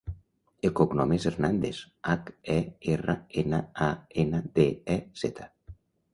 El cognom és Hernandez: hac, e, erra, ena, a, ena, de, e, zeta.